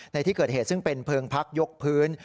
ในที่เกิดเหตุซึ่งเป็นเพลิงพักยกพื้น